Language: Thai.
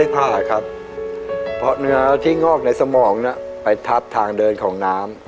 เพราะเนื้อที่งอกในสมองน่ะไปทับทางเดินของน้ำ